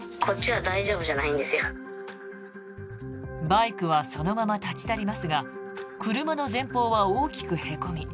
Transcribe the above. バイクはそのまま立ち去りますが車の前方は大きくへこみ